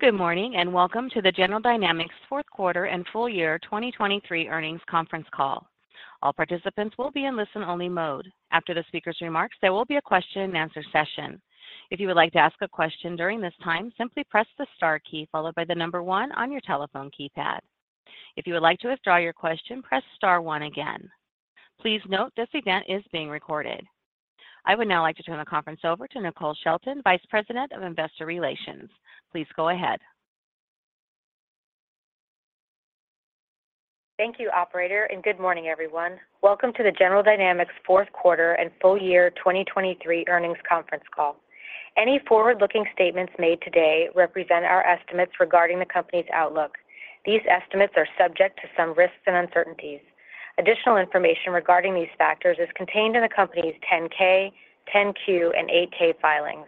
Good morning, and welcome to the General Dynamics fourth quarter and full year 2023 earnings conference call. All participants will be in listen-only mode. After the speaker's remarks, there will be a question-and-answer session. If you would like to ask a question during this time, simply press the star key followed by the number one on your telephone keypad. If you would like to withdraw your question, press star one again. Please note, this event is being recorded. I would now like to turn the conference over to Nicole Shelton, Vice President of Investor Relations. Please go ahead. Thank you, operator, and good morning, everyone. Welcome to the General Dynamics fourth quarter and full year 2023 earnings conference call. Any forward-looking statements made today represent our estimates regarding the company's outlook. These estimates are subject to some risks and uncertainties. Additional information regarding these factors is contained in the company's 10-K, 10-Q, and 8-K filings.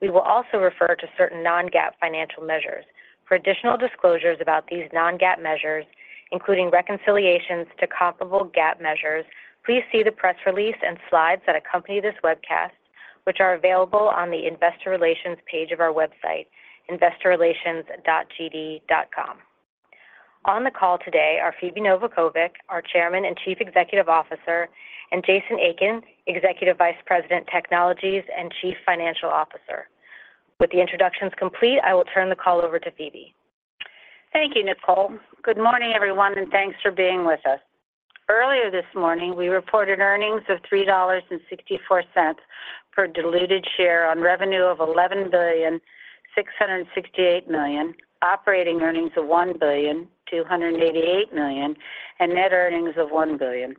We will also refer to certain non-GAAP financial measures. For additional disclosures about these non-GAAP measures, including reconciliations to comparable GAAP measures, please see the press release and slides that accompany this webcast, which are available on the Investor Relations page of our website, investorrelations.gd.com. On the call today are Phebe Novakovic, our Chairman and Chief Executive Officer, and Jason Aiken, Executive Vice President, Technologies and Chief Financial Officer. With the introductions complete, I will turn the call over to Phebe. Thank you, Nicole. Good morning, everyone, and thanks for being with us. Earlier this morning, we reported earnings of $3.64 per diluted share on revenue of $11.668 billion, operating earnings of $1.288 billion, and net earnings of $1 billion.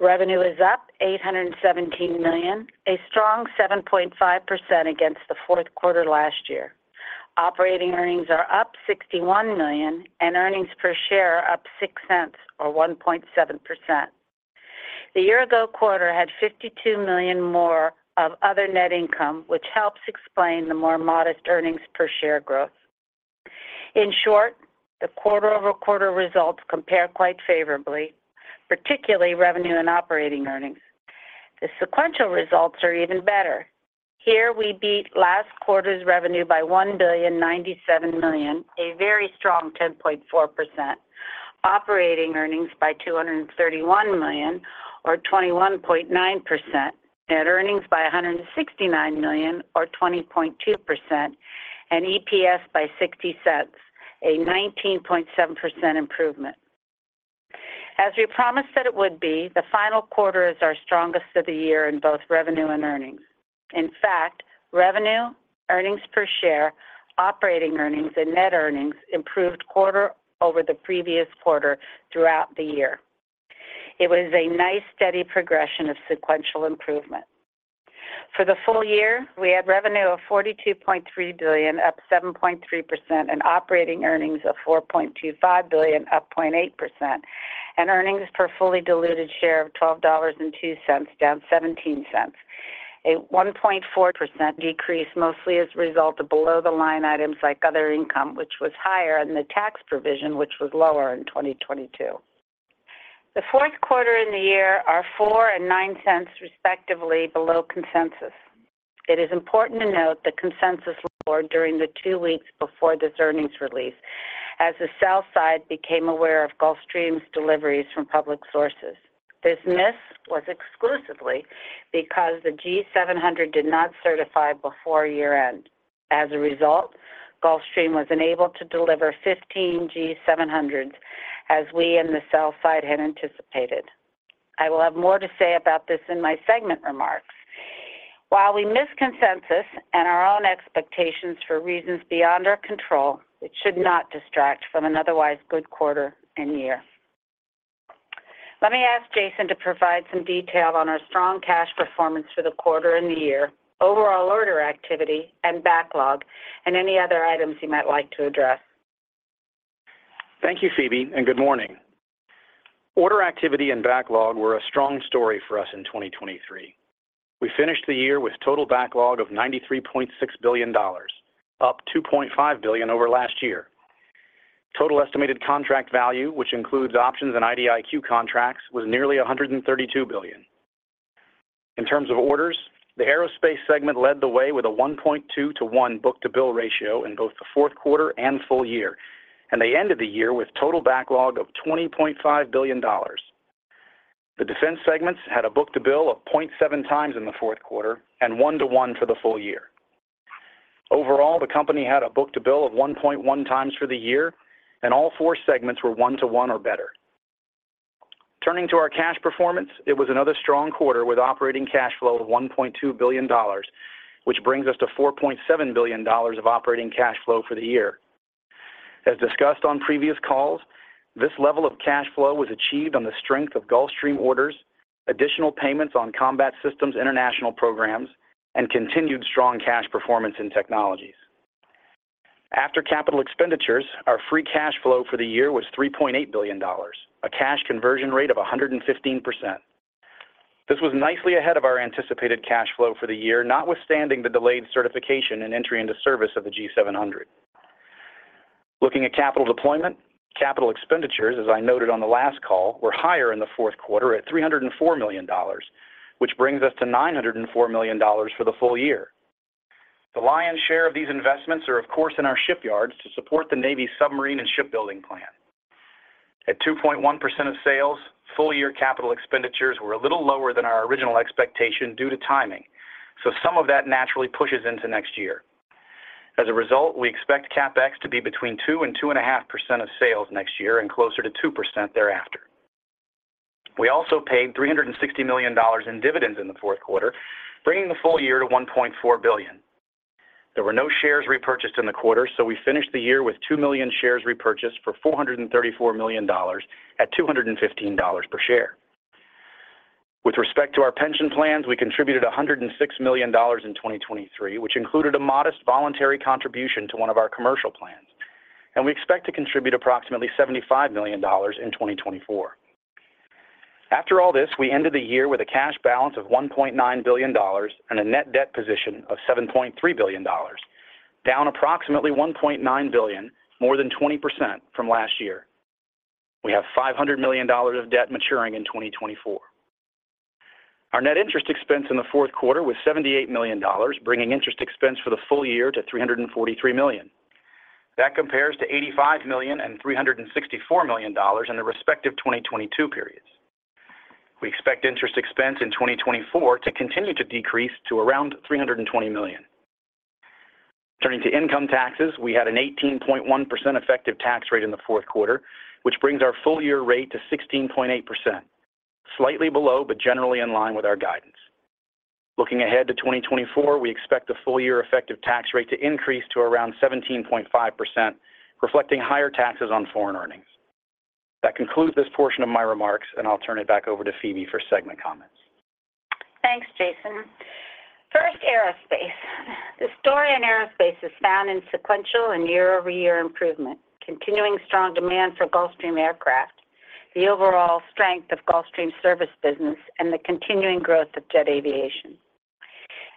Revenue is up $817 million, a strong 7.5% against the fourth quarter last year. Operating earnings are up $61 million, and earnings per share are up $0.06, or 1.7%. The year-ago quarter had $52 million more of other net income, which helps explain the more modest earnings per share growth. In short, the quarter-over-quarter results compare quite favorably, particularly revenue and operating earnings. The sequential results are even better. Here, we beat last quarter's revenue by $1.097 billion, a very strong 10.4%. Operating earnings by $231 million, or 21.9%. Net earnings by $169 million, or 20.2%, and EPS by $0.60, a 19.7% improvement. As we promised that it would be, the final quarter is our strongest of the year in both revenue and earnings. In fact, revenue, earnings per share, operating earnings, and net earnings improved quarter over the previous quarter throughout the year. It was a nice, steady progression of sequential improvement. For the full year, we had revenue of $42.3 billion, up 7.3%, and operating earnings of $4.25 billion, up 0.8%, and earnings per fully diluted share of $12.02, down $0.17. A 1.4% decrease, mostly as a result of below-the-line items like other income, which was higher, and the tax provision, which was lower in 2022. The fourth quarter and the year are $0.04 and $0.09, respectively, below consensus. It is important to note that consensus lowered during the two weeks before this earnings release, as the sell-side became aware of Gulfstream's deliveries from public sources. This miss was exclusively because the G700 did not certify before year-end. As a result, Gulfstream was unable to deliver 15 G700s, as we in the sell-side had anticipated. I will have more to say about this in my segment remarks. While we miss consensus and our own expectations for reasons beyond our control, it should not distract from an otherwise good quarter and year. Let me ask Jason to provide some detail on our strong cash performance for the quarter and the year, overall order activity and backlog, and any other items he might like to address. Thank you, Phebe, and good morning. Order activity and backlog were a strong story for us in 2023. We finished the year with total backlog of $93.6 billion, up $2.5 billion over last year. Total estimated contract value, which includes options and IDIQ contracts, was nearly $132 billion. In terms of orders, the Aerospace segment led the way with a 1.2-to-1 book-to-bill ratio in both the fourth quarter and full year, and they ended the year with total backlog of $20.5 billion. The defense segments had a book-to-bill of 0.7x in the fourth quarter and 1-to-1 for the full year. Overall, the company had a book-to-bill of 1.1 times for the year, and all four segments were 1-to-1 or better. Turning to our cash performance, it was another strong quarter with operating cash flow of $1.2 billion, which brings us to $4.7 billion of operating cash flow for the year. As discussed on previous calls, this level of cash flow was achieved on the strength of Gulfstream orders, additional payments on Combat Systems international programs, and continued strong cash performance in Technologies. After capital expenditures, our free cash flow for the year was $3.8 billion, a cash conversion rate of 115%. This was nicely ahead of our anticipated cash flow for the year, notwithstanding the delayed certification and entry into service of the G700. Looking at capital deployment, capital expenditures, as I noted on the last call, were higher in the fourth quarter at $304 million, which brings us to $904 million for the full year. The lion's share of these investments are, of course, in our shipyards to support the Navy's submarine and shipbuilding plan. At 2.1% of sales, full-year capital expenditures were a little lower than our original expectation due to timing, so some of that naturally pushes into next year. As a result, we expect CapEx to be between 2% and 2.5% of sales next year and closer to 2% thereafter. We also paid $360 million in dividends in the fourth quarter, bringing the full year to $1.4 billion. There were no shares repurchased in the quarter, so we finished the year with 2 million shares repurchased for $434 million at $215 per share. With respect to our pension plans, we contributed $106 million in 2023, which included a modest voluntary contribution to one of our commercial plans, and we expect to contribute approximately $75 million in 2024. After all this, we ended the year with a cash balance of $1.9 billion and a net debt position of $7.3 billion, down approximately $1.9 billion, more than 20% from last year. We have $500 million of debt maturing in 2024. Our net interest expense in the fourth quarter was $78 million, bringing interest expense for the full year to $343 million. That compares to $85 million and $364 million in the respective 2022 periods. We expect interest expense in 2024 to continue to decrease to around $320 million. Turning to income taxes, we had an 18.1% effective tax rate in the fourth quarter, which brings our full-year rate to 16.8%, slightly below, but generally in line with our guidance. Looking ahead to 2024, we expect the full-year effective tax rate to increase to around 17.5%, reflecting higher taxes on foreign earnings. That concludes this portion of my remarks, and I'll turn it back over to Phebe for segment comments. Thanks, Jason. First, Aerospace. The story on Aerospace is found in sequential and year-over-year improvement, continuing strong demand for Gulfstream aircraft, the overall strength of Gulfstream service business, and the continuing growth of Jet Aviation.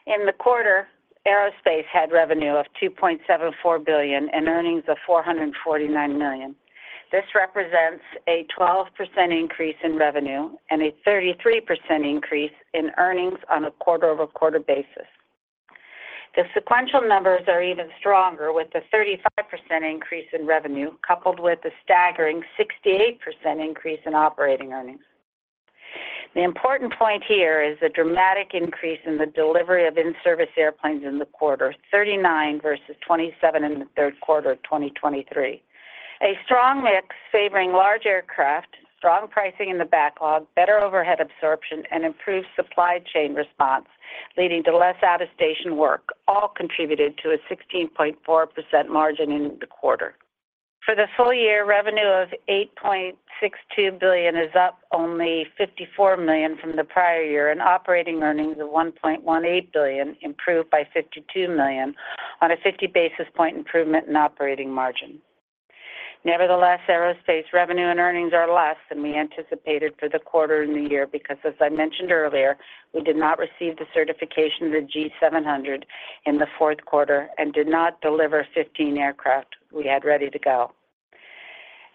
In the quarter, Aerospace had revenue of $2.74 billion and earnings of $449 million. This represents a 12% increase in revenue and a 33% increase in earnings on a quarter-over-quarter basis. The sequential numbers are even stronger, with a 35% increase in revenue, coupled with a staggering 68% increase in operating earnings. The important point here is the dramatic increase in the delivery of in-service airplanes in the quarter, 39 versus 27 in the third quarter of 2023. A strong mix favoring large aircraft, strong pricing in the backlog, better overhead absorption, and improved supply chain response, leading to less out-of-station work, all contributed to a 16.4% margin in the quarter. For the full year, revenue of $8.62 billion is up only $54 million from the prior year, and operating earnings of $1.18 billion improved by $52 million on a 50 basis point improvement in operating margin. Nevertheless, Aerospace revenue and earnings are less than we anticipated for the quarter and the year because, as I mentioned earlier, we did not receive the certification of the G700 in the fourth quarter and did not deliver 15 aircraft we had ready to go.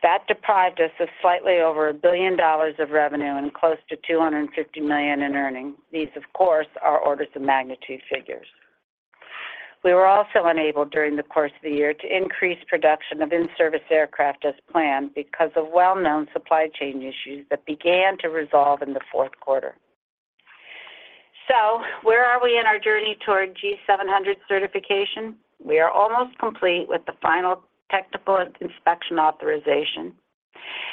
That deprived us of slightly over $1 billion of revenue and close to $250 million in earnings. These, of course, are orders of magnitude figures. We were also unable, during the course of the year, to increase production of in-service aircraft as planned because of well-known supply chain issues that began to resolve in the fourth quarter. So where are we in our journey toward G700 certification? We are almost complete with the final technical inspection authorization.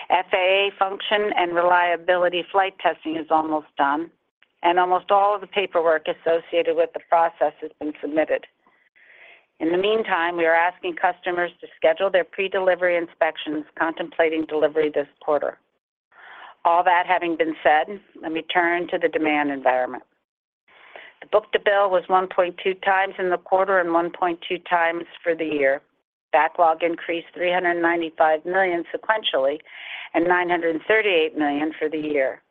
FAA function and reliability flight testing is almost done, and almost all of the paperwork associated with the process has been submitted. In the meantime, we are asking customers to schedule their pre-delivery inspections, contemplating delivery this quarter. All that having been said, let me turn to the demand environment. The book-to-bill was 1.2x in the quarter and 1.2x for the year. Backlog increased $395 million sequentially and $938 million for the year.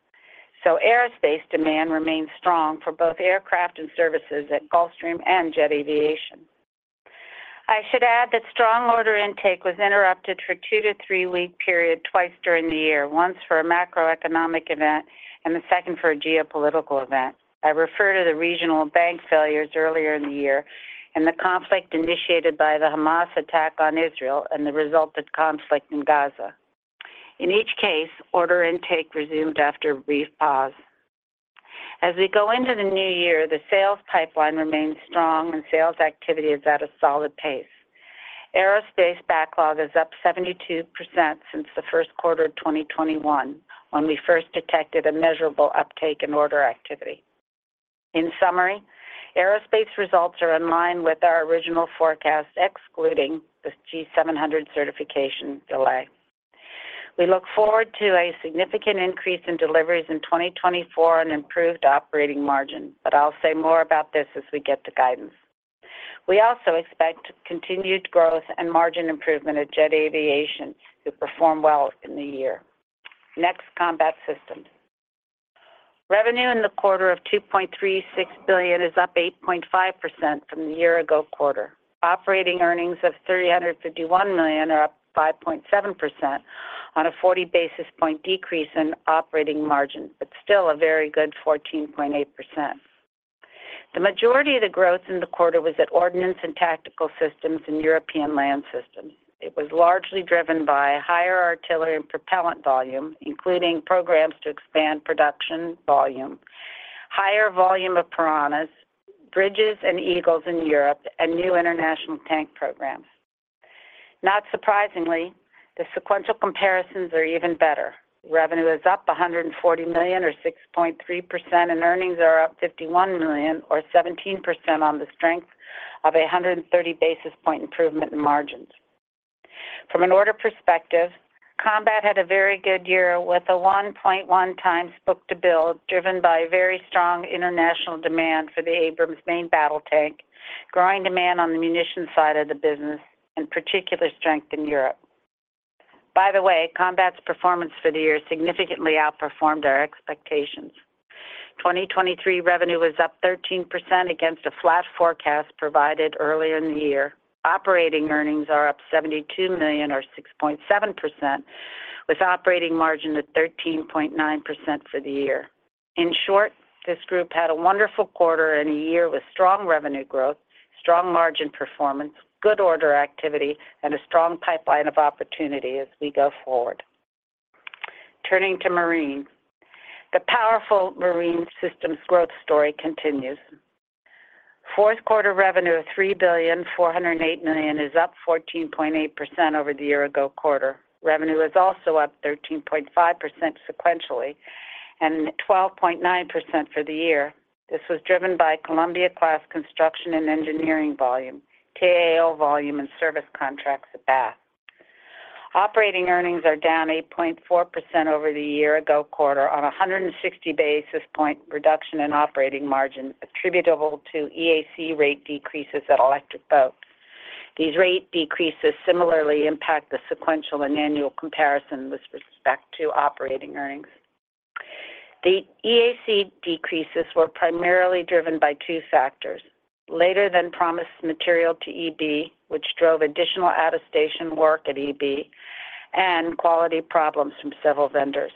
So Aerospace demand remains strong for both aircraft and services at Gulfstream and Jet Aviation. I should add that strong order intake was interrupted for a two- to three-week period twice during the year, once for a macroeconomic event and the second for a geopolitical event. I refer to the regional bank failures earlier in the year and the conflict initiated by the Hamas attack on Israel and the resulted conflict in Gaza. In each case, order intake resumed after a brief pause. As we go into the new year, the sales pipeline remains strong and sales activity is at a solid pace. Aerospace backlog is up 72% since the first quarter of 2021, when we first detected a measurable uptake in order activity. In summary, Aerospace results are in line with our original forecast, excluding the G700 certification delay. We look forward to a significant increase in deliveries in 2024 and improved operating margin, but I'll say more about this as we get to guidance. We also expect continued growth and margin improvement at Jet Aviation, who performed well in the year. Next, Combat Systems. Revenue in the quarter of $2.36 billion is up 8.5% from the year-ago quarter. Operating earnings of $351 million are up 5.7% on a 40 basis point decrease in operating margin, but still a very good 14.8%. The majority of the growth in the quarter was at Ordnance and Tactical Systems and European Land Systems. It was largely driven by higher artillery and propellant volume, including programs to expand production volume, higher volume of Piranhas, bridges, and Eagles in Europe, and new international tank programs. Not surprisingly, the sequential comparisons are even better. Revenue is up $140 million, or 6.3%, and earnings are up $51 million, or 17% on the strength of a 130 basis point improvement in margins. From an order perspective, Combat had a very good year, with a 1.1x book-to-bill, driven by very strong international demand for the Abrams main battle tank, growing demand on the munitions side of the business, and particular strength in Europe. By the way, Combat's performance for the year significantly outperformed our expectations. 2023 revenue was up 13% against a flat forecast provided earlier in the year. Operating earnings are up $72 million, or 6.7%, with operating margin at 13.9% for the year. In short, this group had a wonderful quarter and a year with strong revenue growth, strong margin performance, good order activity, and a strong pipeline of opportunity as we go forward. Turning to Marine. The powerful Marine Systems growth story continues. Fourth quarter revenue of $3.408 billion is up 14.8% over the year-ago quarter. Revenue is also up 13.5% sequentially and 12.9% for the year. This was driven by Columbia-class construction and engineering volume, T-AO volume, and service contracts at Bath. Operating earnings are down 8.4% over the year-ago quarter on a 160 basis point reduction in operating margin, attributable to EAC rate decreases at Electric Boat. These rate decreases similarly impact the sequential and annual comparison with respect to operating earnings. The EAC decreases were primarily driven by two factors: later than promised material to EB, which drove additional out-of-station work at EB, and quality problems from several vendors.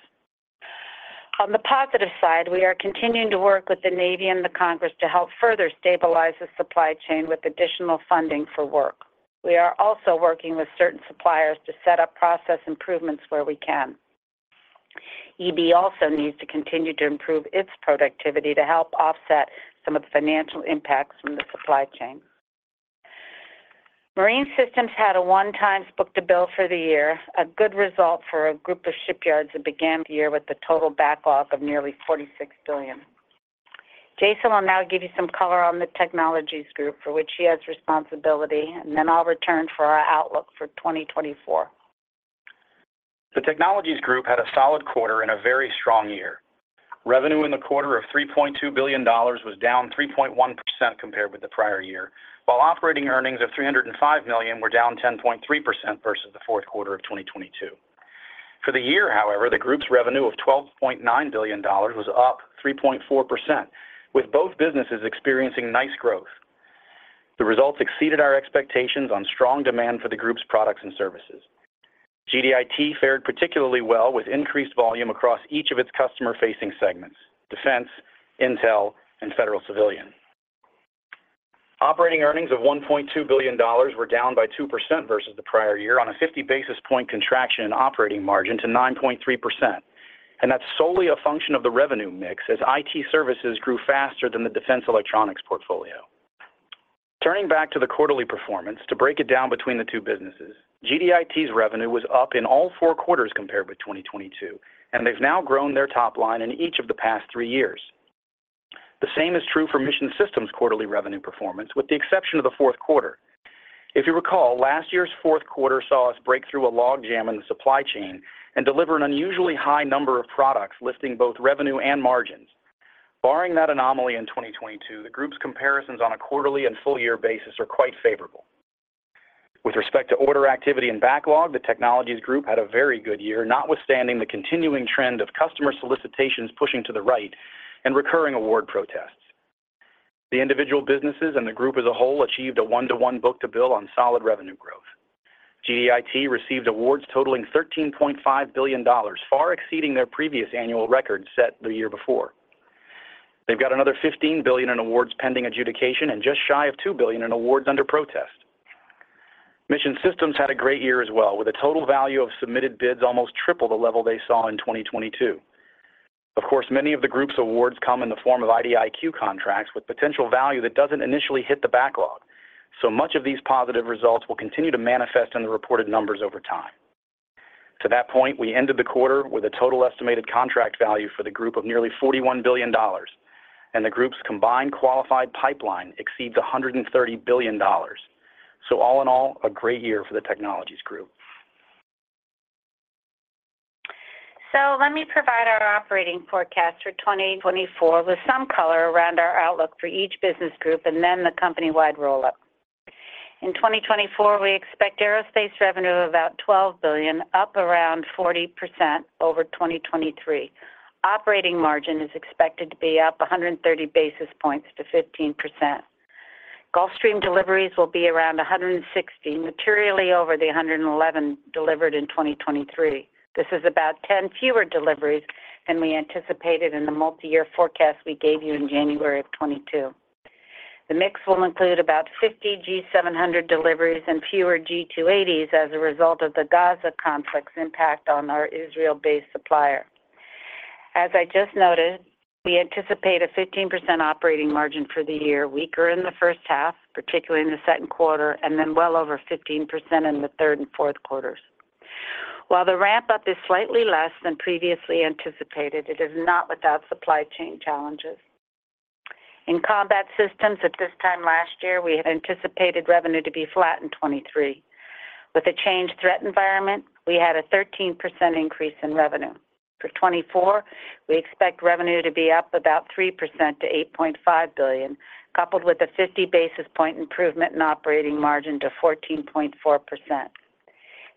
On the positive side, we are continuing to work with the Navy and the Congress to help further stabilize the supply chain with additional funding for work. We are also working with certain suppliers to set up process improvements where we can. EB also needs to continue to improve its productivity to help offset some of the financial impacts from the supply chain. Marine Systems had a 1x book-to-bill for the year, a good result for a group of shipyards that began the year with a total backlog of nearly $46 billion. Jason will now give you some color on the Technologies group for which he has responsibility, and then I'll return for our outlook for 2024. The Technologies group had a solid quarter and a very strong year. Revenue in the quarter of $3.2 billion was down 3.1% compared with the prior year, while operating earnings of $305 million were down 10.3% versus the fourth quarter of 2022. For the year, however, the group's revenue of $12.9 billion was up 3.4%, with both businesses experiencing nice growth. The results exceeded our expectations on strong demand for the Group's products and services. GDIT fared particularly well with increased volume across each of its customer-facing segments: Defense, Intel, and Federal Civilian. Operating earnings of $1.2 billion were down by 2% versus the prior year on a 50 basis point contraction in operating margin to 9.3%. That's solely a function of the revenue mix, as IT services grew faster than the defense electronics portfolio. Turning back to the quarterly performance to break it down between the two businesses, GDIT's revenue was up in all four quarters compared with 2022, and they've now grown their top line in each of the past three years. The same is true for Mission Systems' quarterly revenue performance, with the exception of the fourth quarter. If you recall, last year's fourth quarter saw us break through a logjam in the supply chain and deliver an unusually high number of products, lifting both revenue and margins. Barring that anomaly in 2022, the group's comparisons on a quarterly and full year basis are quite favorable. With respect to order, activity, and backlog, the Technologies group had a very good year, notwithstanding the continuing trend of customer solicitations pushing to the right and recurring award protests. The individual businesses and the group as a whole achieved a 1-to-1 book-to-bill on solid revenue growth. GDIT received awards totaling $13.5 billion, far exceeding their previous annual record set the year before. They've got another $15 billion in awards pending adjudication and just shy of $2 billion in awards under protest. Mission Systems had a great year as well, with a total value of submitted bids almost triple the level they saw in 2022. Of course, many of the group's awards come in the form of IDIQ contracts with potential value that doesn't initially hit the backlog. So much of these positive results will continue to manifest in the reported numbers over time. To that point, we ended the quarter with a total estimated contract value for the group of nearly $41 billion, and the group's combined qualified pipeline exceeds $130 billion. So all in all, a great year for the Technologies group. So let me provide our operating forecast for 2024 with some color around our outlook for each business group and then the company-wide roll-up. In 2024, we expect Aerospace revenue of about $12 billion, up around 40% over 2023. Operating margin is expected to be up 130 basis points to 15%. Gulfstream deliveries will be around 160, materially over the 111 delivered in 2023. This is about 10 fewer deliveries than we anticipated in the multi-year forecast we gave you in January of 2022. The mix will include about 50 G700 deliveries and fewer G280s as a result of the Gaza conflict's impact on our Israel-based supplier. As I just noted, we anticipate a 15% operating margin for the year, weaker in the first half, particularly in the second quarter, and then well over 15% in the third and fourth quarters. While the ramp-up is slightly less than previously anticipated, it is not without supply chain challenges. In Combat Systems, at this time last year, we had anticipated revenue to be flat in 2023. With a changed threat environment, we had a 13% increase in revenue. For 2024, we expect revenue to be up about 3% to $8.5 billion, coupled with a 50 basis point improvement in operating margin to 14.4%.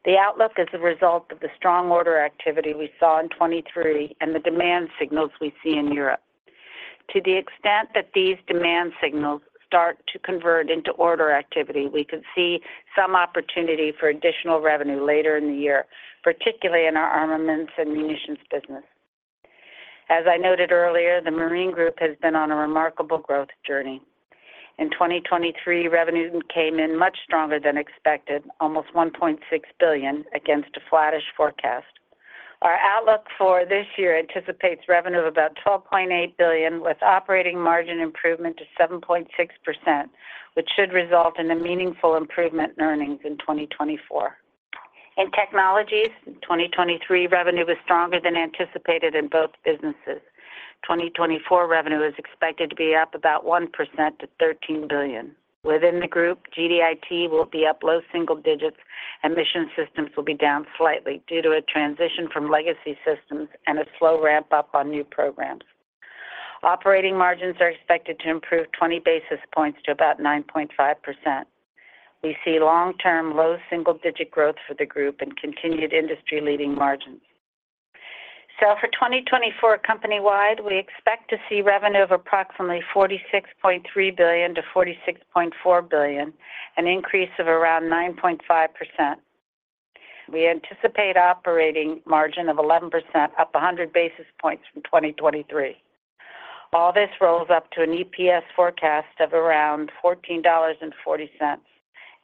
The outlook is a result of the strong order activity we saw in 2023 and the demand signals we see in Europe. To the extent that these demand signals start to convert into order activity, we could see some opportunity for additional revenue later in the year, particularly in our armaments and munitions business. As I noted earlier, the Marine group has been on a remarkable growth journey. In 2023, revenue came in much stronger than expected, almost $1.6 billion against a flattish forecast. Our outlook for this year anticipates revenue of about $12.8 billion, with operating margin improvement to 7.6%, which should result in a meaningful improvement in earnings in 2024. In Technologies, in 2023, revenue was stronger than anticipated in both businesses. 2024 revenue is expected to be up about 1% to $13 billion. Within the group, GDIT will be up low single digits, and Mission Systems will be down slightly due to a transition from legacy systems and a slow ramp-up on new programs. Operating margins are expected to improve 20 basis points to about 9.5%. We see long-term, low single-digit growth for the group and continued industry-leading margins. So for 2024 company-wide, we expect to see revenue of approximately $46.3 billion-$46.4 billion, an increase of around 9.5%. We anticipate operating margin of 11%, up 100 basis points from 2023. All this rolls up to an EPS forecast of around $14.40.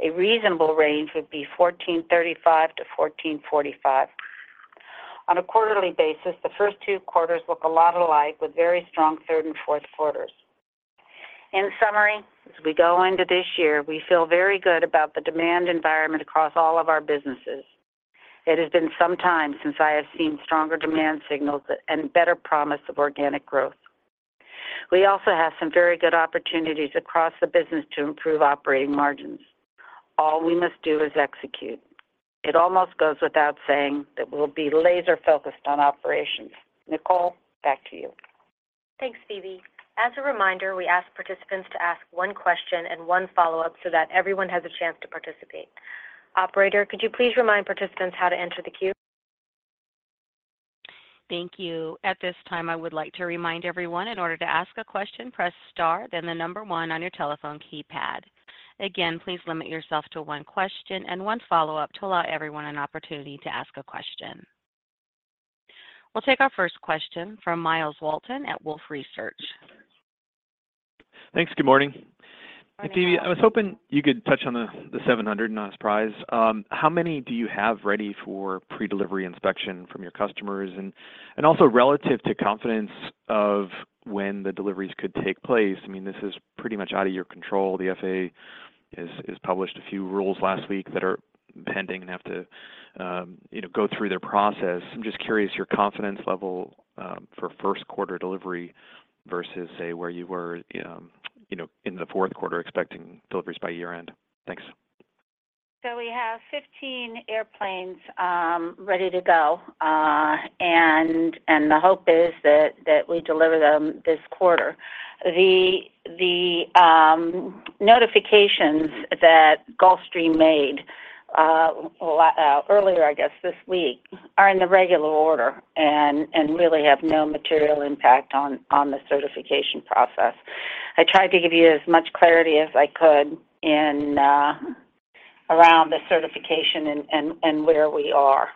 A reasonable range would be $14.35-$14.45. On a quarterly basis, the first two quarters look a lot alike, with very strong third and fourth quarters. In summary, as we go into this year, we feel very good about the demand environment across all of our businesses. It has been some time since I have seen stronger demand signals and better promise of organic growth. We also have some very good opportunities across the business to improve operating margins. All we must do is execute. It almost goes without saying that we'll be laser-focused on operations. Nicole, back to you. Thanks, Phebe. As a reminder, we ask participants to ask one question and one follow-up so that everyone has a chance to participate. Operator, could you please remind participants how to enter the queue? Thank you. At this time, I would like to remind everyone, in order to ask a question, press star, then the number one on your telephone keypad. Again, please limit yourself to one question and one follow-up to allow everyone an opportunity to ask a question. We'll take our first question from Myles Walton at Wolfe Research. Thanks. Good morning. Good morning. Phebe, I was hoping you could touch on the 700, not a surprise. How many do you have ready for pre-delivery inspection from your customers? And also relative to confidence of when the deliveries could take place, I mean, this is pretty much out of your control. The FAA has published a few rules last week that are pending and have to, you know, go through their process. I'm just curious, your confidence level, for first quarter delivery versus, say, where you were, you know, in the fourth quarter, expecting deliveries by year-end. Thanks. So we have 15 airplanes ready to go. And the hope is that we deliver them this quarter. The notifications that Gulfstream made earlier, I guess, this week, are in the regular order and really have no material impact on the certification process. I tried to give you as much clarity as I could in around the certification and where we are.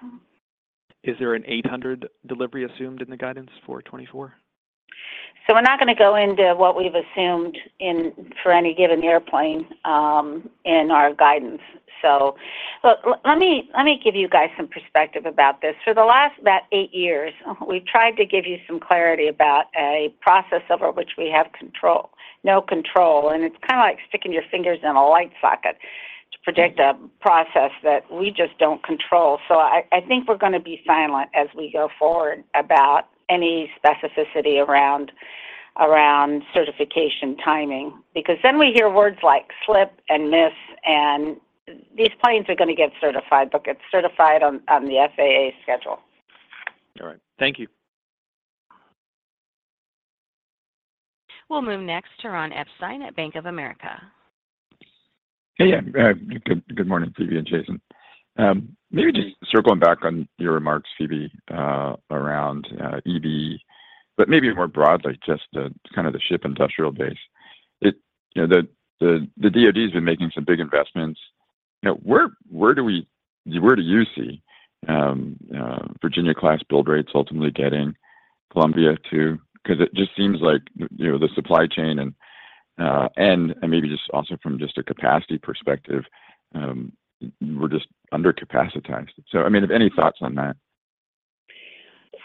Is there an 800 delivery assumed in the guidance for 2024? So we're not going to go into what we've assumed in for any given airplane in our guidance. So look, let me, let me give you guys some perspective about this. For the last about eight years, we've tried to give you some clarity about a process over which we have no control, and it's kind of like sticking your fingers in a light socket to predict a process that we just don't control. So I, I think we're going to be silent as we go forward, about any specificity around, around certification timing, because then we hear words like slip and miss, and these planes are going to get certified, but get certified on, on the FAA schedule. All right. Thank you. We'll move next to Ron Epstein at Bank of America. Hey, good, good morning, Phebe and Jason. Maybe just circling back on your remarks, Phebe, around EB, but maybe more broadly, just the kind of the ship industrial base. It, you know, the DoD has been making some big investments. You know, where do you see Virginia-class build rates ultimately getting Columbia to? Because it just seems like, you know, the supply chain and, and maybe just also from just a capacity perspective, we're just under capacitized. So, I mean, if any thoughts on that?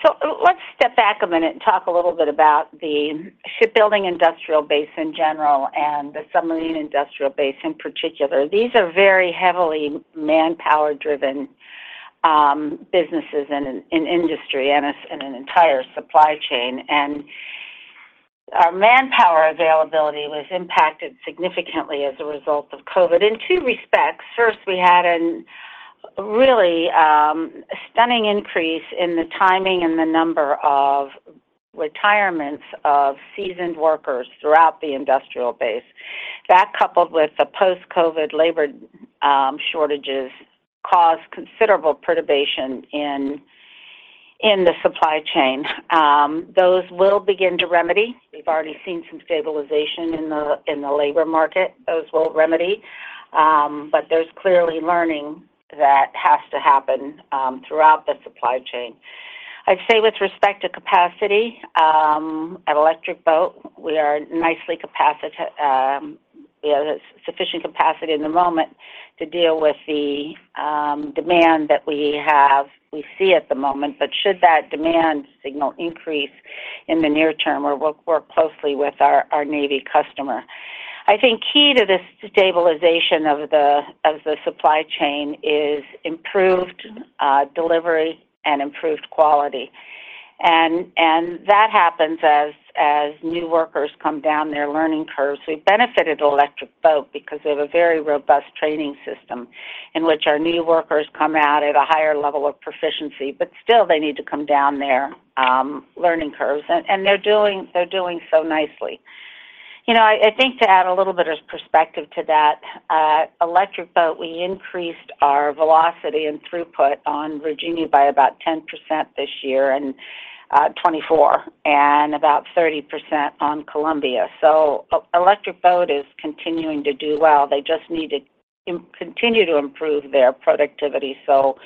So let's step back a minute and talk a little bit about the shipbuilding industrial base in general and the submarine industrial base in particular. These are very heavily manpower-driven businesses in industry and in an entire supply chain. Our manpower availability was impacted significantly as a result of COVID in two respects. First, we had a really stunning increase in the timing and the number of retirements of seasoned workers throughout the industrial base. That, coupled with the post-COVID labor shortages, caused considerable perturbation in the supply chain. Those will begin to remedy. We've already seen some stabilization in the labor market. Those will remedy, but there's clearly learning that has to happen throughout the supply chain. I'd say with respect to capacity at Electric Boat, we have sufficient capacity at the moment to deal with the demand that we have, we see at the moment. But should that demand signal increase in the near term, we'll work closely with our Navy customer. I think key to the stabilization of the supply chain is improved delivery and improved quality. And that happens as new workers come down their learning curves. We've benefited Electric Boat because we have a very robust training system in which our new workers come out at a higher level of proficiency, but still they need to come down their learning curves, and they're doing so nicely. You know, I think to add a little bit of perspective to that, Electric Boat, we increased our velocity and throughput on Virginia by about 10% this year and 2024, and about 30% on Columbia. So, Electric Boat is continuing to do well. They just need to continue to improve their productivity so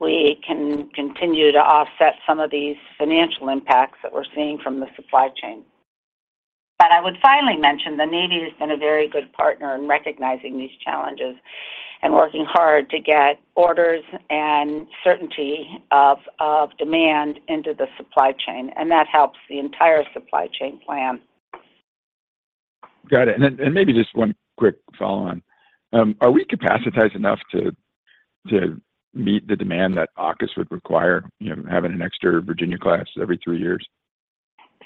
we can continue to offset some of these financial impacts that we're seeing from the supply chain. But I would finally mention, the Navy has been a very good partner in recognizing these challenges and working hard to get orders and certainty of demand into the supply chain, and that helps the entire supply chain plan. Got it. And then maybe just one quick follow-on. Are we capacitated enough to meet the demand that AUKUS would require, you know, having an extra Virginia-class every two years?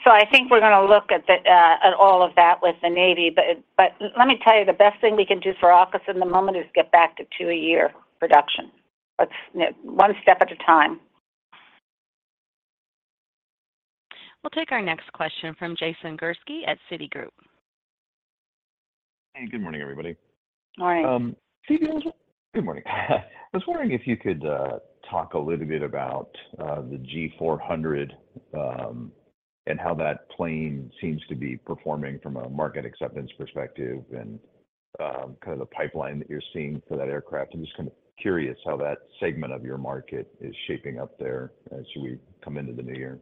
So I think we're gonna look at the at all of that with the Navy. But let me tell you, the best thing we can do for AUKUS in the moment is get back to 2-a-year production. Let's, you know, one step at a time. We'll take our next question from Jason Gursky at Citigroup. Hey, good morning, everybody. Morning. Phebe, good morning. I was wondering if you could talk a little bit about the G400, and how that plane seems to be performing from a market acceptance perspective, and kind of the pipeline that you're seeing for that aircraft. I'm just kind of curious how that segment of your market is shaping up there as we come into the new year.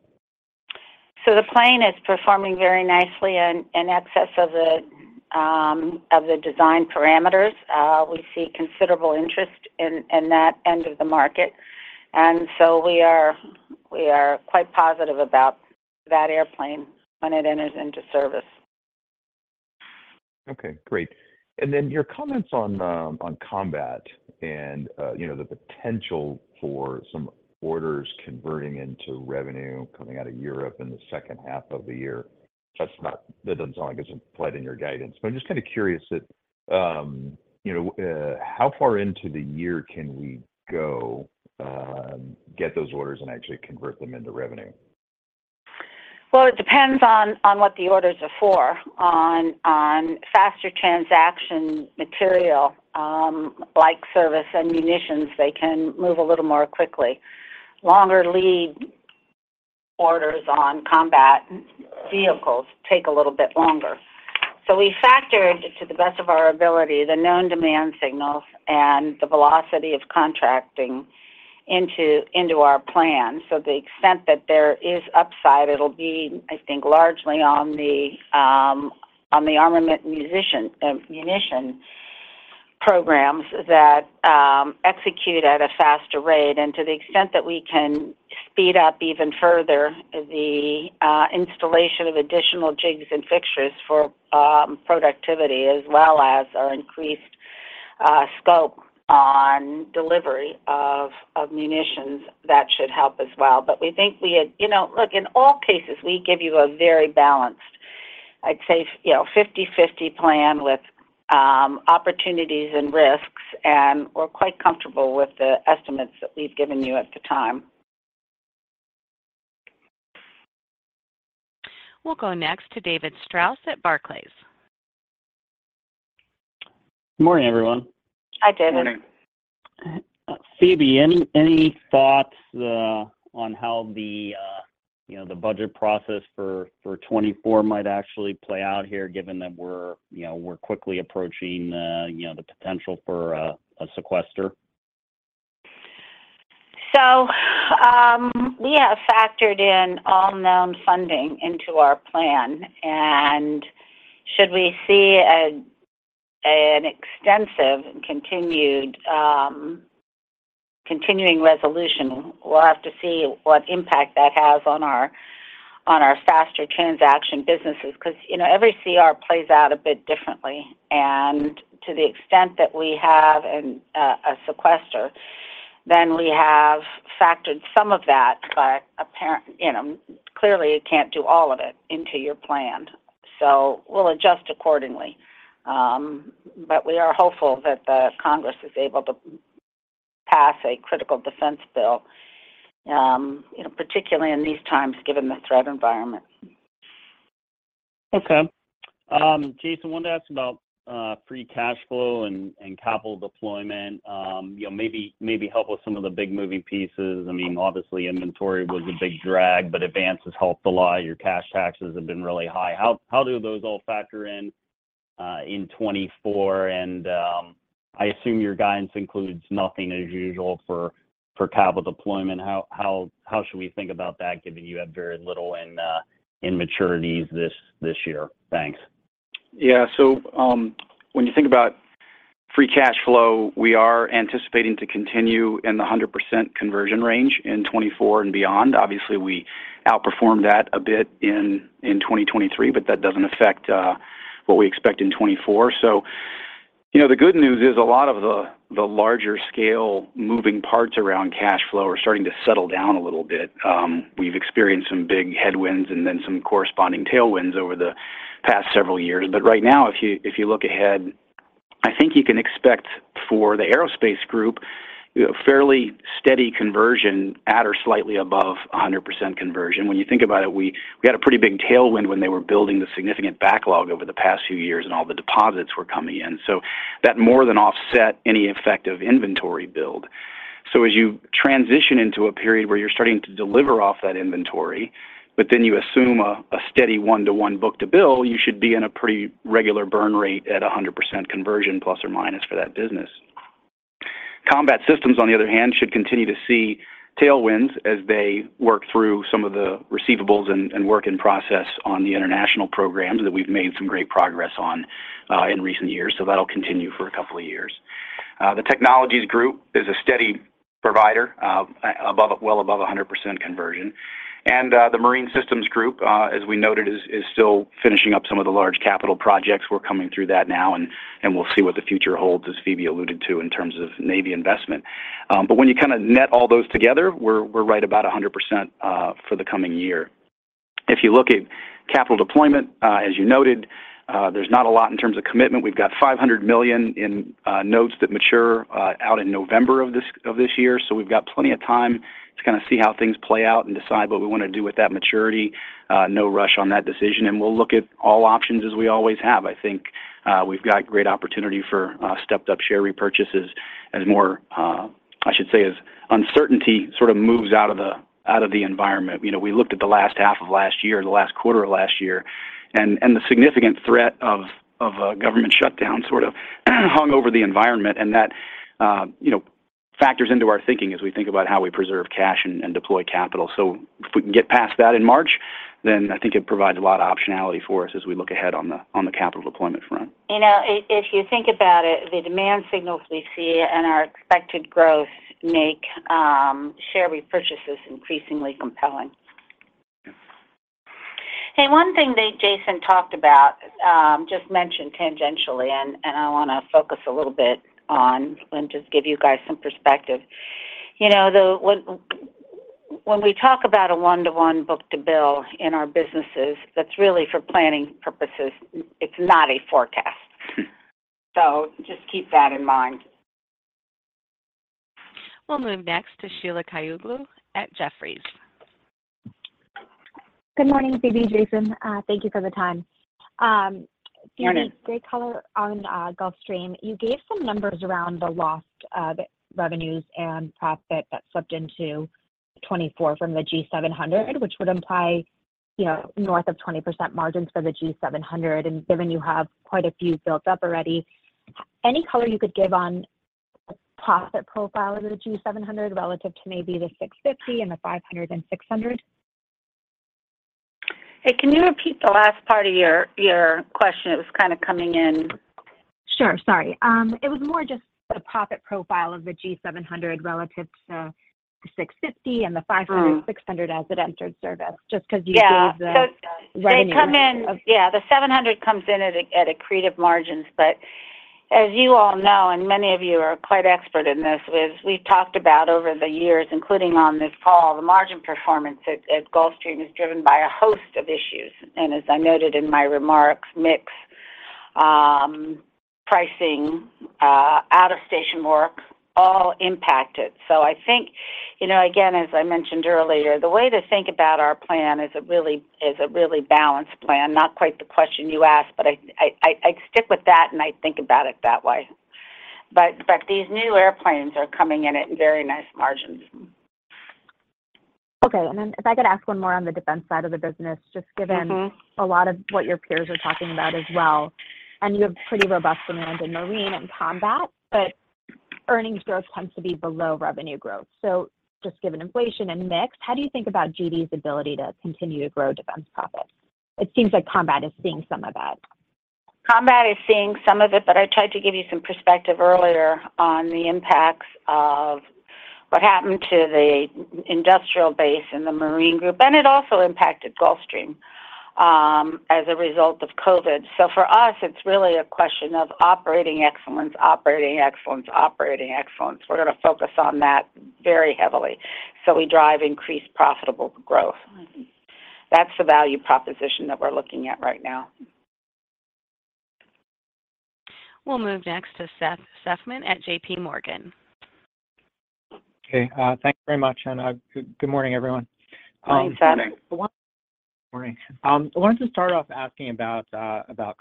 So the plane is performing very nicely in excess of the design parameters. We see considerable interest in that end of the market, and so we are quite positive about that airplane when it enters into service. Okay, great. And then your comments on Combat and, you know, the potential for some orders converting into revenue coming out of Europe in the second half of the year. That doesn't sound like it's applied in your guidance. But I'm just kind of curious that, you know, how far into the year can we go, get those orders, and actually convert them into revenue? Well, it depends on what the orders are for. On faster transaction material, like service and munitions, they can move a little more quickly. Longer lead orders on Combat vehicles take a little bit longer. So we factored, to the best of our ability, the known demand signals and the velocity of contracting into our plan. So the extent that there is upside, it'll be, I think, largely on the armament munition programs that execute at a faster rate. And to the extent that we can speed up even further the installation of additional jigs and fixtures for productivity, as well as our increased scope on delivery of munitions, that should help as well. But we think we had... You know, look, in all cases, we give you a very balanced, I'd say, you know, 50/50 plan with opportunities and risks, and we're quite comfortable with the estimates that we've given you at the time. We'll go next to David Strauss at Barclays. Good morning, everyone. Hi, David. Good morning. Phebe, any thoughts on how the, you know, the budget process for 2024 might actually play out here, given that we're, you know, quickly approaching, you know, the potential for a sequester? So, we have factored in all known funding into our plan, and should we see an extensive and continuing resolution, we'll have to see what impact that has on our, on our faster transaction businesses. Because, you know, every CR plays out a bit differently, and to the extent that we have a sequestration, then we have factored some of that. But apparently, you know, clearly, you can't do all of it into your plan, so we'll adjust accordingly. But we are hopeful that the Congress is able to pass a critical defense bill, you know, particularly in these times, given the threat environment. Okay. Jason, wanted to ask about, free cash flow and, and capital deployment. You know, maybe help with some of the big moving pieces. I mean, obviously, inventory was a big drag, but advance has helped a lot. Your cash taxes have been really high. How do those all factor in 2024? And, I assume your guidance includes nothing as usual for, for capital deployment. How should we think about that, given you have very little in maturities this, this year? Thanks. Yeah. So, when you think about free cash flow, we are anticipating to continue in the 100% conversion range in 2024 and beyond. Obviously, we outperformed that a bit in 2023, but that doesn't affect what we expect in 2024. So, you know, the good news is a lot of the larger-scale moving parts around cash flow are starting to settle down a little bit. We've experienced some big headwinds and then some corresponding tailwinds over the past several years. But right now, if you look ahead, I think you can expect for the Aerospace group, a fairly steady conversion at or slightly above a 100% conversion. When you think about it, we had a pretty big tailwind when they were building the significant backlog over the past few years, and all the deposits were coming in. That more than offset any effective inventory build. As you transition into a period where you're starting to deliver off that inventory, but then you assume a steady 1-to-1 book-to-bill, you should be in a pretty regular burn rate at a 100% conversion plus minus for that business. Combat Systems, on the other hand, should continue to see tailwinds as they work through some of the receivables and work in process on the international programs that we've made some great progress on in recent years. That'll continue for a couple of years. The Technologies group is a steady provider, well, above a 100% conversion. The Marine Systems group, as we noted, is still finishing up some of the large capital projects. We're coming through that now, and we'll see what the future holds, as Phebe alluded to, in terms of Navy investment. But when you kind of net all those together, we're right about 100% for the coming year. If you look at capital deployment, as you noted, there's not a lot in terms of commitment. We've got $500 million in notes that mature out in November of this year. So we've got plenty of time to kind of see how things play out and decide what we want to do with that maturity. No rush on that decision, and we'll look at all options as we always have. I think, we've got great opportunity for stepped-up share repurchases as more, I should say, as uncertainty sort of moves out of the environment. You know, we looked at the last half of last year, the last quarter of last year, and the significant threat of a government shutdown sort of hung over the environment. And that, you know, factors into our thinking as we think about how we preserve cash and deploy capital. So if we can get past that in March, then I think it provides a lot of optionality for us as we look ahead on the capital deployment front. You know, if you think about it, the demand signals we see and our expected growth make share repurchases increasingly compelling. Hey, one thing that Jason talked about, just mentioned tangentially, and I want to focus a little bit on and just give you guys some perspective. You know, when we talk about a 1-to-1 book-to-bill in our businesses, that's really for planning purposes. It's not a forecast. So just keep that in mind. We'll move next to Sheila Kahyaoglu at Jefferies. Good morning, Phebe, Jason. Thank you for the time. Morning. Great color on Gulfstream. You gave some numbers around the lost revenues and profit that slipped into 2024 from the G700, which would imply, you know, north of 20% margins for the G700, and given you have quite a few built up already. Any color you could give on the profit profile of the G700 relative to maybe the G650 and the G500 and G600? Hey, can you repeat the last part of your question? It was kind of coming in. Sure. Sorry. It was more just the profit profile of the G700 relative to the G650 and the G500, G600 as it entered service, just because you gave the revenue. They come in. Yeah, the 700 comes in at accretive margins. But as you all know, and many of you are quite expert in this, is we've talked about over the years, including on this call, the margin performance at Gulfstream is driven by a host of issues. And as I noted in my remarks, mix, pricing, out of station work all impacted. So I think, you know, again, as I mentioned earlier, the way to think about our plan is a really, is a really balanced plan. Not quite the question you asked, but I'd stick with that, and I'd think about it that way. But these new airplanes are coming in at very nice margins. Okay. And then if I could ask one more on the defense side of the business, just given a lot of what your peers are talking about as well, and you have pretty robust demand in Marine and Combat, but earnings growth tends to be below revenue growth. So, just given inflation and mix, how do you think about GD's ability to continue to grow defense profits? It seems like Combat is seeing some of that. Combat is seeing some of it, but I tried to give you some perspective earlier on the impacts of what happened to the industrial base and the Marine group, and it also impacted Gulfstream as a result of COVID. So for us, it's really a question of operating excellence, operating excellence, operating excellence. We're gonna focus on that very heavily, so we drive increased profitable growth. That's the value proposition that we're looking at right now. We'll move next to Seth Seifman at JPMorgan. Okay. Thank you very much, and good morning, everyone. Morning, Seth. Morning. I wanted to start off asking about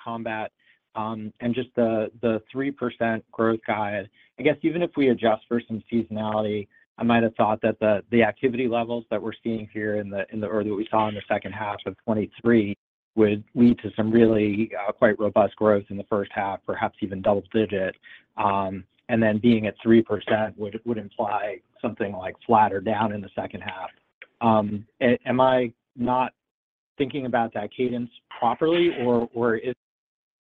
Combat and just the 3% growth guide. I guess even if we adjust for some seasonality, I might have thought that the activity levels that we're seeing here in the or that we saw in the second half of 2023 would lead to some really quite robust growth in the first half, perhaps even double-digit. And then being at 3% would imply something like flat or down in the second half. Am I not thinking about that cadence properly, or is there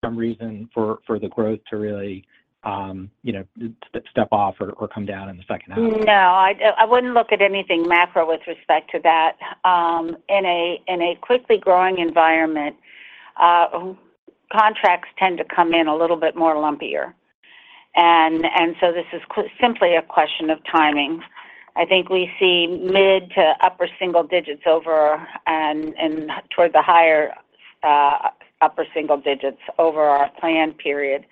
some reason for the growth to really, you know, to step off or come down in the second half? No, I wouldn't look at anything macro with respect to that. In a quickly growing environment, contracts tend to come in a little bit more lumpier. And so this is simply a question of timing. I think we see mid to upper single digits over and toward the higher upper single digits over our plan period.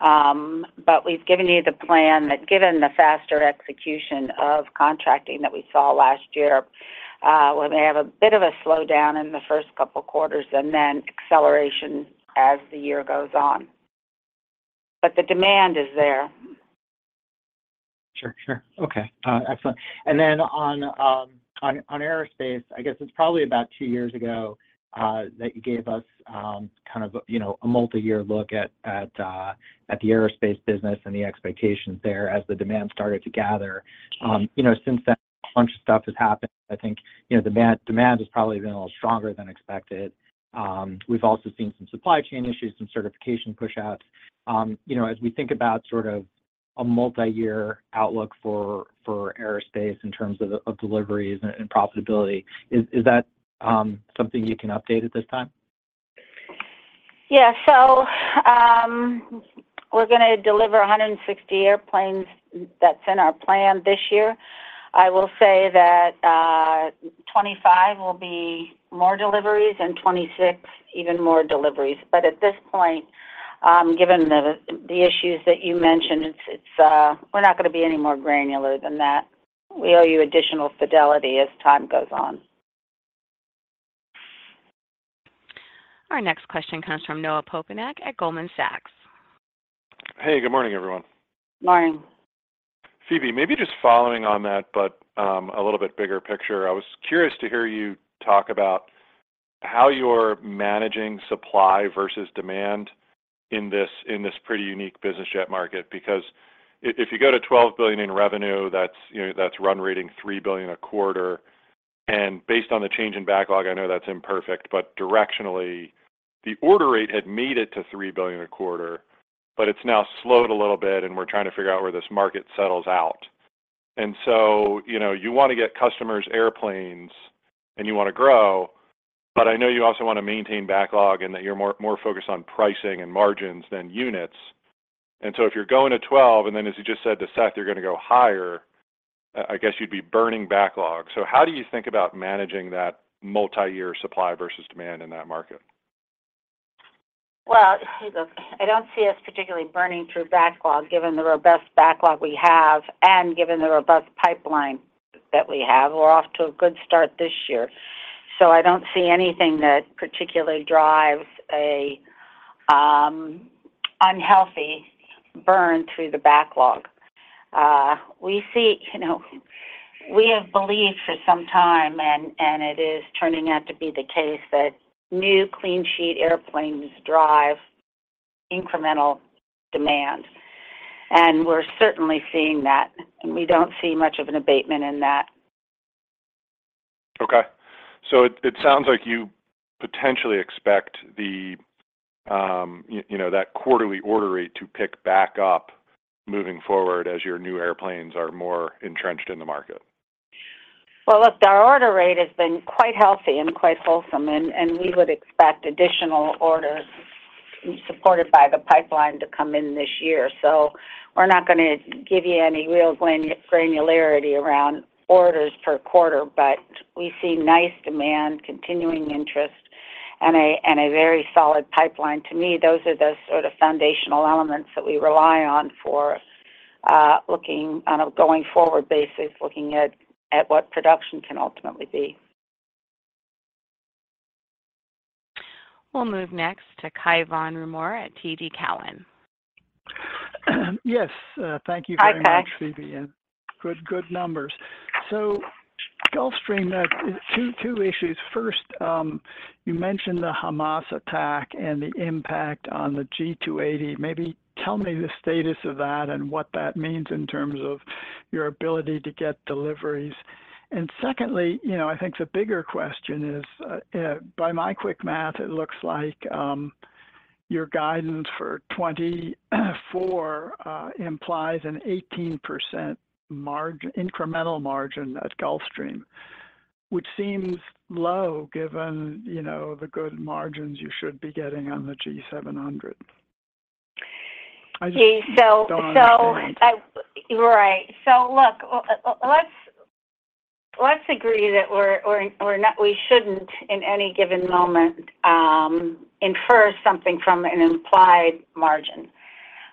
But we've given you the plan that, given the faster execution of contracting that we saw last year, we may have a bit of a slowdown in the first couple quarters and then acceleration as the year goes on. But the demand is there. Sure. Sure. Okay, excellent. And then on Aerospace, I guess it's probably about two years ago that you gave us kind of, you know, a multiyear look at the Aerospace business and the expectations there as the demand started to gather. Yes. You know, since then, a bunch of stuff has happened. I think, you know, demand has probably been a little stronger than expected. We've also seen some supply chain issues, some certification pushouts. You know, as we think about sort of a multiyear outlook for Aerospace in terms of deliveries and profitability, is that something you can update at this time? Yeah. So, we're gonna deliver 160 airplanes. That's in our plan this year. I will say that, 2025 will be more deliveries, and 2026, even more deliveries. But at this point, given the issues that you mentioned, it's, we're not gonna be any more granular than that. We owe you additional fidelity as time goes on. Our next question comes from Noah Poponak at Goldman Sachs. Hey, good morning, everyone. Morning. Phebe, maybe just following on that, but a little bit bigger picture, I was curious to hear you talk about how you're managing supply versus demand in this, in this pretty unique business jet market. Because if you go to $12 billion in revenue, that's, you know, that's run rating $3 billion a quarter. And based on the change in backlog, I know that's imperfect, but directionally, the order rate had made it to $3 billion a quarter, but it's now slowed a little bit, and we're trying to figure out where this market settles out. And so, you know, you want to get customers airplanes, and you want to grow, but I know you also want to maintain backlog and that you're more, more focused on pricing and margins than units. And so if you're going to 12, and then, as you just said to Seth, you're gonna go higher, I guess you'd be burning backlog. So how do you think about managing that multiyear supply versus demand in that market? Well, I don't see us particularly burning through backlog, given the robust backlog we have and given the robust pipeline that we have. We're off to a good start this year, so I don't see anything that particularly drives a unhealthy burn through the backlog. We see, you know, we have believed for some time, and it is turning out to be the case, that new clean sheet airplanes drive incremental demand, and we're certainly seeing that, and we don't see much of an abatement in that. Okay. So it sounds like you potentially expect the, you know, that quarterly order rate to pick back up moving forward as your new airplanes are more entrenched in the market. Well, look, our order rate has been quite healthy and quite wholesome, and we would expect additional orders supported by the pipeline to come in this year. So we're not gonna give you any real granularity around orders per quarter, but we see nice demand, continuing interest, and a very solid pipeline. To me, those are the sort of foundational elements that we rely on for looking on a going-forward basis, looking at what production can ultimately be. We'll move next to Cai von Rumohr at TD Cowen. Yes, thank you very much- Hi, Kai Phebe, and good, good numbers. So Gulfstream, two issues. First, you mentioned the Hamas attack and the impact on the G280. Maybe tell me the status of that and what that means in terms of your ability to get deliveries. And secondly, you know, I think the bigger question is, by my quick math, it looks like, your guidance for 2024 implies an 18% incremental margin at Gulfstream, which seems low, given, you know, the good margins you should be getting on the G700. I just- Okay. So- Don't understand. Right. So look, well, let's agree that we're not, we shouldn't, in any given moment, infer something from an implied margin.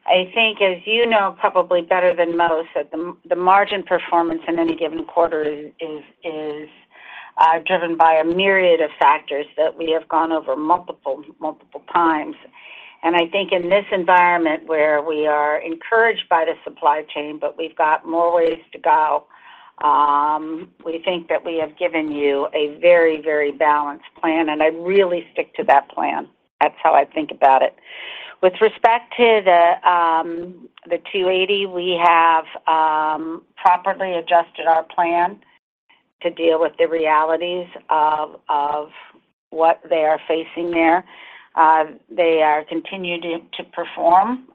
I think, as you know probably better than most, that the margin performance in any given quarter is driven by a myriad of factors that we have gone over multiple times. And I think in this environment, where we are encouraged by the supply chain, but we've got more ways to go, we think that we have given you a very balanced plan, and I'd really stick to that plan. That's how I think about it. With respect to the 280, we have properly adjusted our plan to deal with the realities of what they are facing there. They are continuing to perform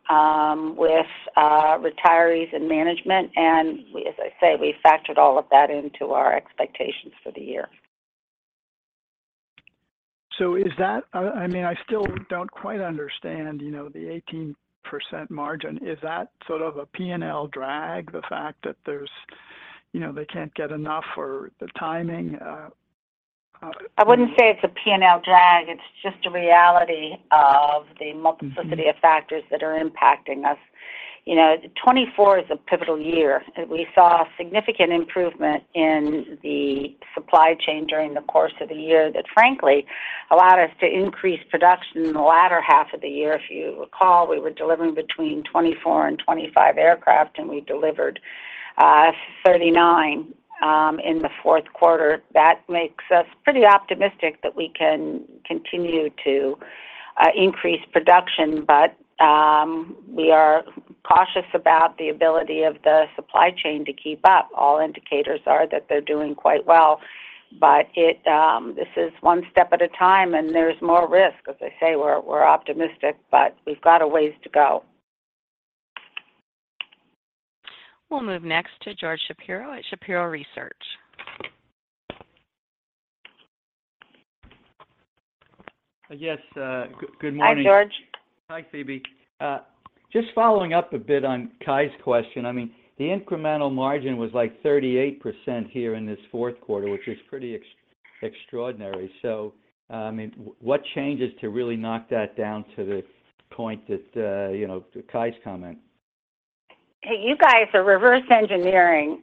with retirees and management, and we, as I say, we factored all of that into our expectations for the year. So is that, I mean, I still don't quite understand, you know, the 18% margin. Is that sort of a P&L drag, the fact that there's, you know, they can't get enough or the timing? I wouldn't say it's a P&L drag. It's just a reality of the multiplicity of factors that are impacting us. You know, 2024 is a pivotal year. We saw significant improvement in the supply chain during the course of the year that, frankly, allowed us to increase production in the latter half of the year. If you recall, we were delivering between 2024 and 2025 aircraft, and we delivered 39 in the fourth quarter. That makes us pretty optimistic that we can continue to increase production, but we are cautious about the ability of the supply chain to keep up. All indicators are that they're doing quite well, but this is one step at a time, and there's more risk. As I say, we're optimistic, but we've got a ways to go. We'll move next to George Shapiro at Shapiro Research. Yes, good morning. Hi, George. Hi, Phebe. Just following up a bit on Cai's question, I mean, the incremental margin was, like, 38% here in this fourth quarter, which is pretty extraordinary. So, I mean, what changes to really knock that down to the point that, you know, to Cai's comment? Hey, you guys are reverse engineering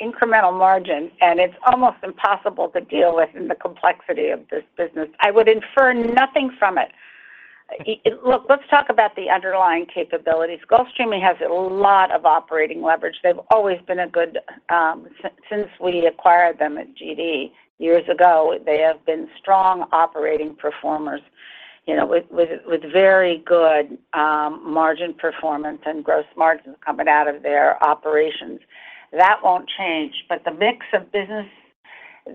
incremental margin, and it's almost impossible to deal with in the complexity of this business. I would infer nothing from it. Look, let's talk about the underlying capabilities. Gulfstream has a lot of operating leverage. They've always been a good since we acquired them at GD years ago, they have been strong operating performers, you know, with very good margin performance and gross margins coming out of their operations. That won't change, but the mix of business,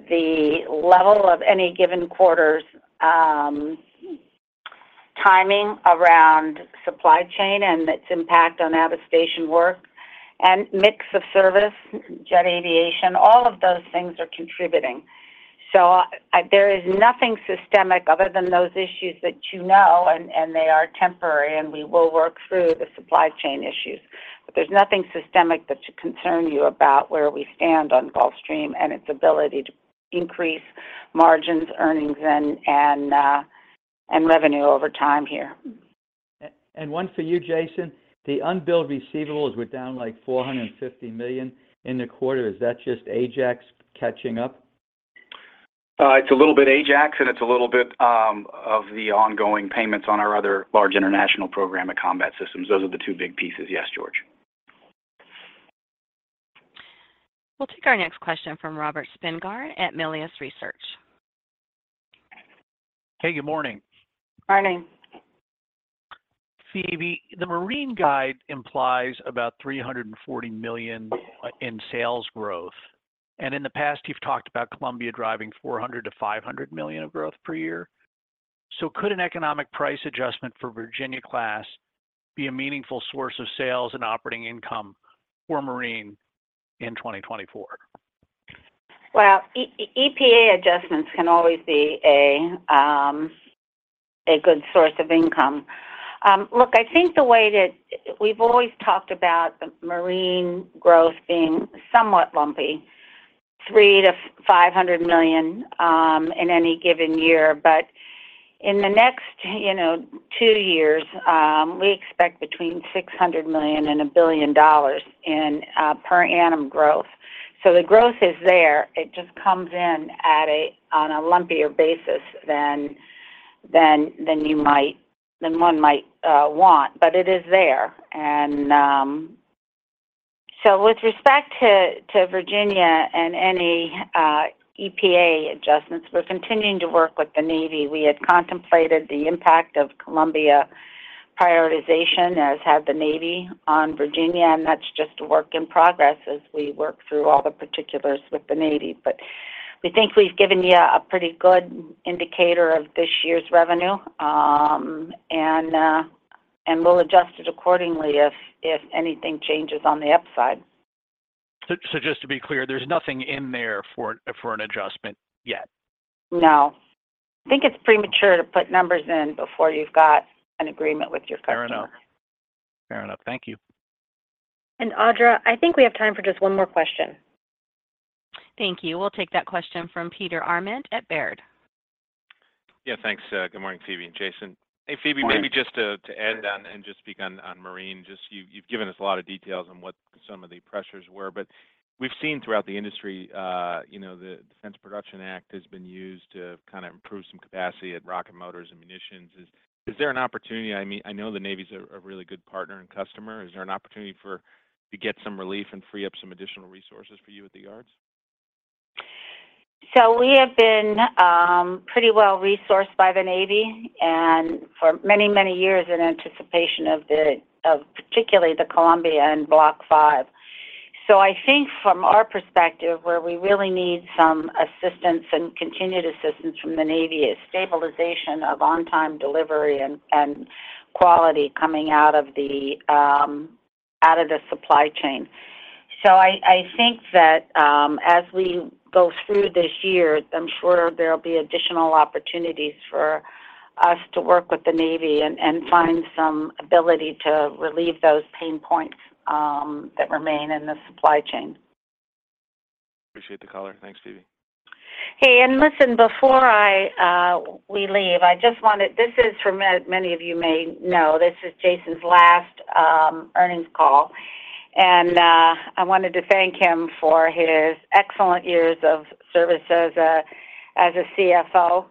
the level of any given quarter's timing around supply chain and its impact on out-of-station work and mix of service, Jet Aviation, all of those things are contributing. So there is nothing systemic other than those issues that you know, and they are temporary, and we will work through the supply chain issues. But there's nothing systemic that should concern you about where we stand on Gulfstream and its ability to increase margins, earnings, and revenue over time here. And one for you, Jason. The unbilled receivables were down, like, $450 million in the quarter. Is that just Ajax catching up? It's a little bit Ajax, and it's a little bit of the ongoing payments on our other large international program at Combat Systems. Those are the two big pieces. Yes, George. We'll take our next question from Robert Spingarn at Melius Research. Hey, good morning. Morning. Phebe, the Marine guide implies about $340 million in sales growth, and in the past, you've talked about Columbia driving $400 million-$500 million of growth per year. So could an economic price adjustment for Virginia class be a meaningful source of sales and operating income for Marine in 2024? Well, EPA adjustments can always be a good source of income. Look, I think the way that we've always talked about Marine growth being somewhat lumpy, $300 million-$500 million in any given year. But in the next, you know, two years, we expect between $600 million and $1 billion in per annum growth. So the growth is there. It just comes in on a lumpier basis than one might want, but it is there. And so with respect to Virginia and any EPA adjustments, we're continuing to work with the Navy. We had contemplated the impact of Columbia prioritization, as had the Navy on Virginia, and that's just a work in progress as we work through all the particulars with the Navy. But we think we've given you a pretty good indicator of this year's revenue, and we'll adjust it accordingly if anything changes on the upside. So, just to be clear, there's nothing in there for an adjustment yet? No. I think it's premature to put numbers in before you've got an agreement with your customer. Fair enough. Fair enough. Thank you. Audra, I think we have time for just one more question. Thank you. We'll take that question from Peter Arment at Baird. Yeah, thanks. Good morning, Phebe and Jason. Good morning. Hey, Phebe, maybe just to add on and just speak on marine, just you've given us a lot of details on what some of the pressures were, but we've seen throughout the industry, you know, the Defense Production Act has been used to kind of improve some capacity at rocket motors and munitions. Is there an opportunity, I mean, I know the Navy's a really good partner and customer. Is there an opportunity for to get some relief and free up some additional resources for you at the yards? So we have been pretty well resourced by the Navy and for many, many years in anticipation of particularly the Columbia and Block V. So I think from our perspective, where we really need some assistance and continued assistance from the Navy is stabilization of on-time delivery and quality coming out of the supply chain. So I think that as we go through this year, I'm sure there'll be additional opportunities for us to work with the Navy and find some ability to relieve those pain points that remain in the supply chain. Appreciate the color. Thanks, Phebe. Hey, and listen, before I, we leave, I just wanted, this is, for many of you may know, this is Jason's last earnings call, and I wanted to thank him for his excellent years of service as a CFO.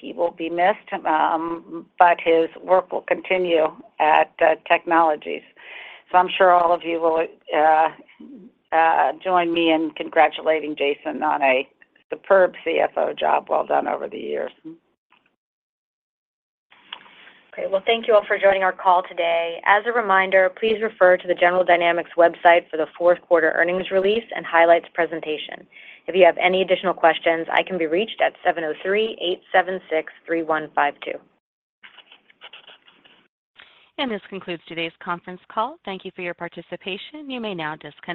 He will be missed, but his work will continue at Technologies. So I'm sure all of you will join me in congratulating Jason on a superb CFO job well done over the years. Okay, well, thank you all for joining our call today. As a reminder, please refer to the General Dynamics website for the fourth quarter earnings release and highlights presentation. If you have any additional questions, I can be reached at 703-876-3152. This concludes today's conference call. Thank you for your participation. You may now disconnect.